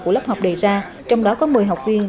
của lớp học đề ra trong đó có một mươi học viên